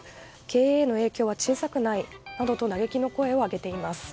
経営への影響は小さくないなどと嘆きの声を上げています。